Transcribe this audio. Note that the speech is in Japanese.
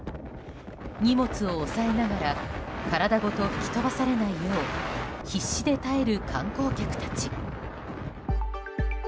荷物を押さえながら体ごと吹き飛ばされないよう必死で耐える観光客たち。